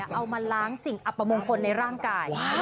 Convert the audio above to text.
เอามาล้างสิ่งอัปมงคลในร่างกาย